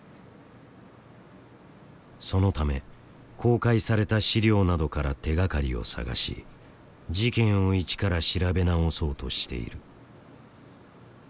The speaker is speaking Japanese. そのため公開された資料などから手がかりを探し事件を一から調べ直そうとしている。